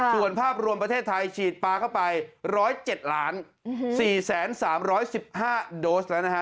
ส่วนภาพรวมประเทศไทยฉีดปลาเข้าไป๑๐๗๔๓๑๕โดสแล้วนะฮะ